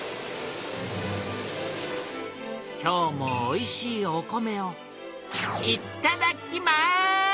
今日もおいしいお米をいただきます！